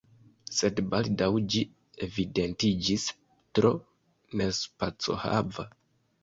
Sed baldaŭ ĝi evidentiĝis tro nespacohava.